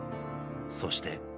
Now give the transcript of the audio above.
そして。